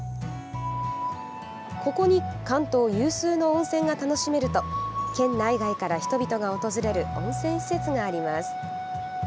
ここに、関東有数の温泉が楽しめると県内外から人々が訪れる温泉施設があります。